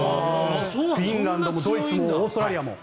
フィンランドもドイツもオーストラリアも。